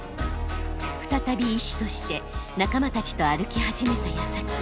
再び医師として仲間たちと歩き始めたやさき。